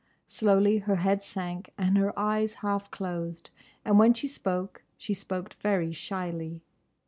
Slowly her head sank and her eyes half closed, and when she spoke, she spoke very shyly.